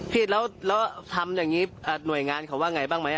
พี่แล้วแล้วทำอย่างงี้อ่าหน่วยงานเขาว่าไงบ้างไหมอ่ะ